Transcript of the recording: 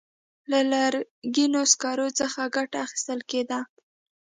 له لرګینو سکرو څخه ګټه اخیستل کېده.